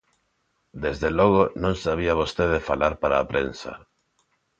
Desde logo, non sabía vostede falar para a prensa.